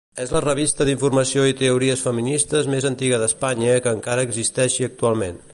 És la revista d'informació i teories feministes més antiga d'Espanya que encara existeixi actualment.